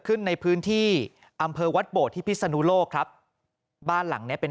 ขึ้นในพื้นที่อำเภอวัดโบดที่พิศนุโลกครับบ้านหลังเนี้ยเป็น